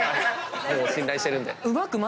信頼してるんで。